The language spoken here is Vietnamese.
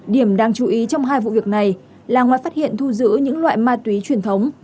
điểm đáng chú ý trong hai vụ việc này là ngoài phát hiện thu giữ những loại ma túy truyền thống